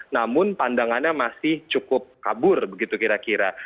namun pandangannya masih cukup kabur begitu kira kira